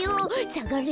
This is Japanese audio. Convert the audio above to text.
さがれ。